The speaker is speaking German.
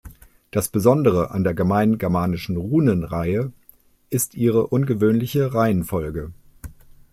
Das Besondere an der gemeingermanischen Runenreihe ist ihre ungewöhnliche Reihenfolge.